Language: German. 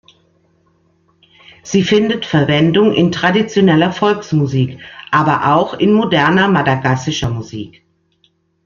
Sie findet Verwendung in traditioneller Volksmusik, aber auch in moderner madagassischer Musik.